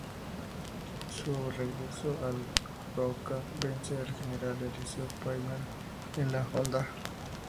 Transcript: A su regreso al Cauca vence al general Eliseo Payán en La Honda.